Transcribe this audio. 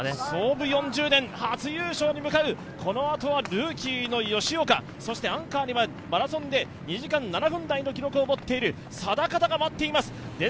創部４０年、初優勝に向かう、このあとはルーキーの吉岡、そしてアンカーでマラソンで２時間７分台の記録を持っている定方が待っています。